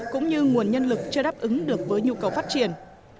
cũng như nguồn nhân lực chưa đáp ứng được với nhu cầu phát triển